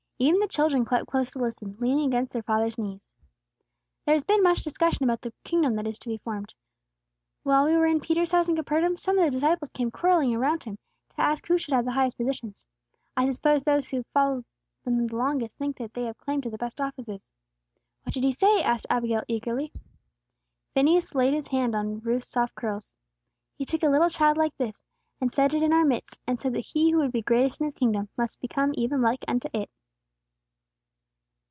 Even the children crept close to listen, leaning against their father's knees. "There has been much discussion about the kingdom that is to be formed. While we were in Peter's house in Capernaum, some of the disciples came quarrelling around Him, to ask who should have the highest positions. I suppose those who have followed Him longest think they have claim to the best offices." "What did He say?" asked Abigail, eagerly. Phineas laid his hand on Ruth's soft curls. "He took a little child like this, and set it in our midst, and said that he who would be greatest in His kingdom, must become even like unto it!"